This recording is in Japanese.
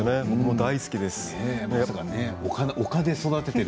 僕も大好きです。